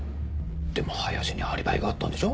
でも林にアリバイがあったんでしょ？